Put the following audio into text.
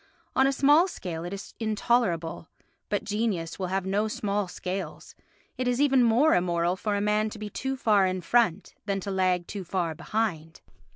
On a small scale it is intolerable, but genius will have no small scales; it is even more immoral for a man to be too far in front than to lag too far behind.